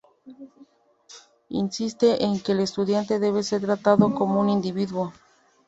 Insiste en que el estudiante debe ser tratado como un individuo.